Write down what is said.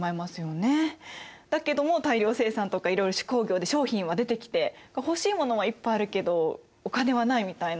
だけども大量生産とかいろいろ手工業で商品は出てきて欲しいものはいっぱいあるけどお金はないみたいな。